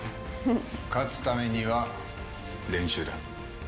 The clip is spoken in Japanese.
勝つためには練習だ。